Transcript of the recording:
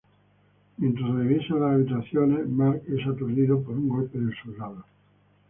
Mientras revisan las habitaciones, Mark es aturdido por un golpe del soldado.